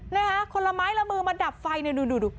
นะคะคนละไม้ละมือมาดับไฟเนี่ยดูดู